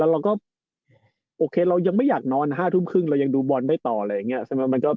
เราก็โอเคเรายังไม่อยากนอน๕ทุ่มครึ่งเรายังดูบอลได้ต่ออะไรอย่างนี้ใช่ไหม